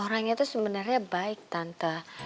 orang itu sebenarnyanya baik tante